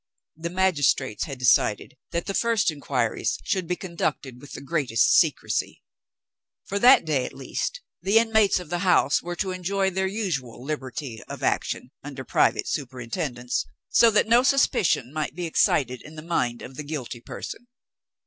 The magistrates had decided that the first inquiries should be conducted with the greatest secrecy. For that day, at least, the inmates of the house were to enjoy their usual liberty of action (under private superintendence), so that no suspicion might be excited in the mind of the guilty person.